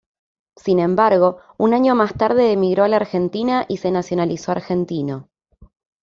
Sin embargo, un año más tarde emigró a la Argentina y se nacionalizó argentino.